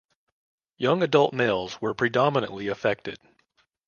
Young adult males were predominantly affected.